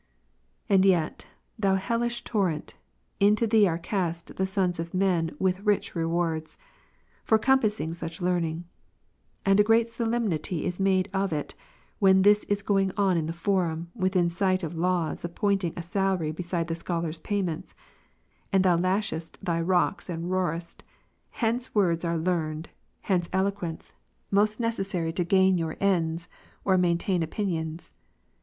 26. And yet, thou hellish torrent, into thee are cast the sons of men with rich rewards, for compassing such learn ing ; and a great solemnity is made of it, when this is going on in the forum, within sight of laws appointing a salary be side the scholar's payments ; and thou lashest thy rocks and roarest, " Hence words are learnt ; hence eloquence ; most necessary to gain your ends, or maintain ojjinions."